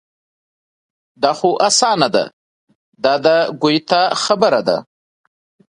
دا خو اسانه ده دا د ګویته خبره ده.